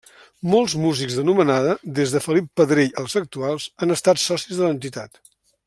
Molts músics d'anomenada, des de Felip Pedrell als actuals, han estat socis de l'entitat.